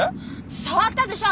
触ったでしょ